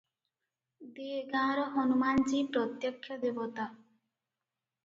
ଦେ ଗାଁର ହନୁମାନ୍ ଜୀ ପ୍ରତ୍ୟକ୍ଷ ଦେବତା ।